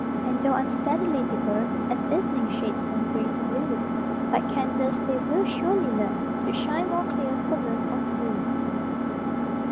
And though unsteadily they burn, As evening shades from gray to blue Like candles they will surely learn To shine more clear, for love of you.